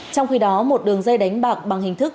trong khi đó một đường dây đánh bạc bằng hình thức